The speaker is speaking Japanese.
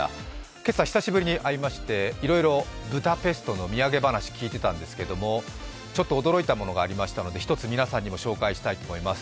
今朝、久しぶりに会いましていろいろブダペストのお土産話聞いてたんですけどちょっと驚いたものがありましたので一つ皆さんにも紹介したいと思います。